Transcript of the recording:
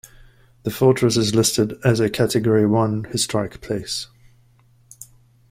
The Fortress is listed as a Category One Historic Place.